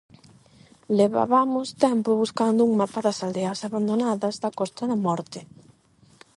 Levavamos tempo buscando un mapa das aldeas abandonadas da Costa da Morte.